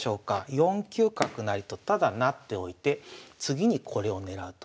４九角成とただ成っておいて次にこれを狙うと。